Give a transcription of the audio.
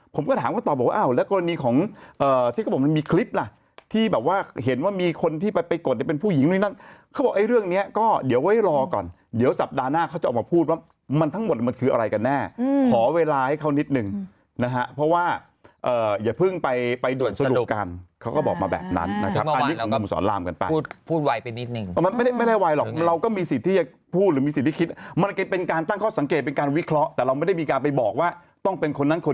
ผมก็ถามเขาตอบว่าอ้าวแล้วกรณีของเอ่อที่เขาบอกมันมีคลิปน่ะที่แบบว่าเห็นว่ามีคนที่ไปไปกดเนี่ยเป็นผู้หญิงด้วยนั่นเขาบอกไอ้เรื่องเนี้ยก็เดี๋ยวไว้รอก่อนเดี๋ยวสัปดาห์หน้าเขาจะออกมาพูดว่ามันทั้งหมดมันคืออะไรกันแน่ขอเวลาให้เขานิดหนึ่งนะฮะเพราะว่าเอ่ออย่าเพิ่งไปไปด่วนสรุปกันเขาก็บอกมาแ